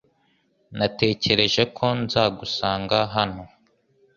Natekereje ko nzagusanga hano .